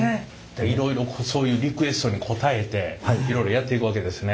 いろいろそういうリクエストに応えていろいろやっていくわけですね。